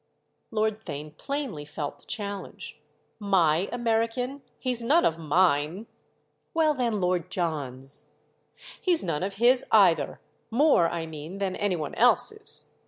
Lord Theign plainly felt the challenge. "'My' American? He's none of mine!" "Well then Lord John's." "He's none of his either—more, I mean, than any one else's.